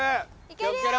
気をつけろ！